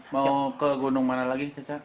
mau ke gunung mana lagi caca